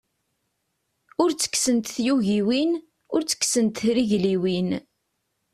Ur tekksent tyugiwin, ur tekksent trigliwin.